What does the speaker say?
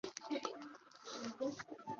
三春町是位于福岛县田村郡的一町。